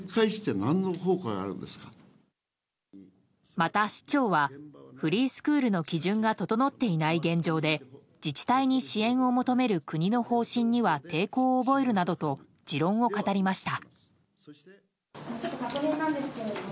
また市長は、フリースクールの基準が整っていない現状で自治体に支援を求める国の方針には抵抗を覚えるなどと持論を語りました。